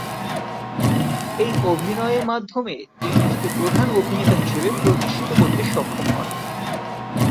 এই অভিনয়ে মাধ্যমে তিনি নিজেকে প্রধান অভিনেতা হিসেবে প্রতিষ্ঠিত করতে সক্ষম হন।